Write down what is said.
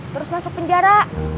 terus masuk penjara